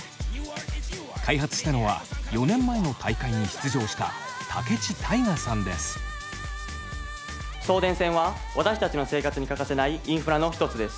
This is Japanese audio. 開発したのは４年前の大会に出場した送電線は私たちの生活に欠かせないインフラの一つです。